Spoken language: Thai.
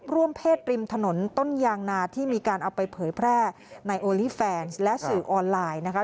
ร่วมเพศริมถนนต้นยางนาที่มีการเอาไปเผยแพร่ในโอลี่แฟนและสื่อออนไลน์นะคะ